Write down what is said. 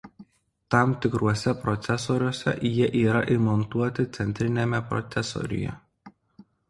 Tam tikruose procesoriuose jie yra įmontuoti centriniame procesoriuje.